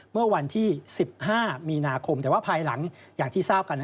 เมื่อวันที่๑๕มีนาคมแต่ว่าภายหลังอย่างที่ทราบกัน